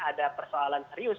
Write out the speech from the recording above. ada persoalan serius